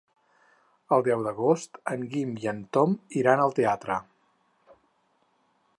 El deu d'agost en Guim i en Tom iran al teatre.